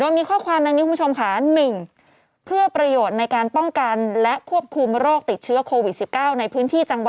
โอ้โฮวมาเป็นหน้ากระดาษนะคะ